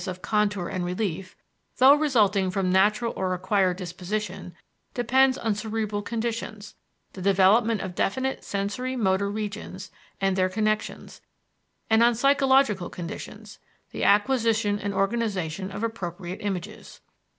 of contour and relief though resulting from natural or acquired disposition, depends on cerebral conditions, the development of definite sensory motor regions and their connections; and on psychological conditions the acquisition and organization of appropriate images.